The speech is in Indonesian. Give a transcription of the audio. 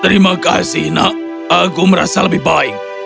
terima kasih nak aku merasa lebih baik